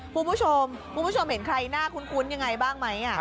ผู้ชมผู้ชมเห็นใครหน้าคุ้นยังไงบ้างไหม